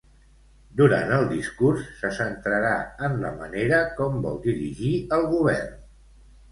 Durant el discurs, se centrarà en la manera com vol dirigir el govern.